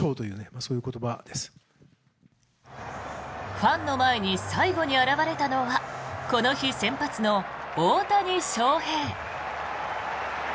ファンの前に最後に現れたのはこの日先発の大谷翔平。